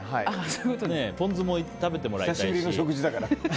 ポン酢も食べてもらいたいし。